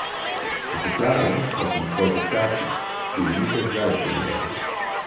De verklaring was een provocatie, die we nu terzijde kunnen leggen.